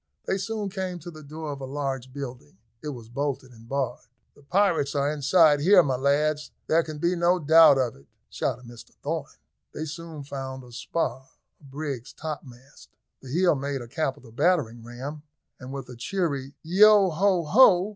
They soon came to the door of a large building; it was bolted and barred. "The pirates are inside here, my lads, there can be no doubt of it," shouted Mr Thorn. They soon found a spar, a brig's topmast. The heel made a capital battering ram, and with a cheery "Yeo, ho, ho!"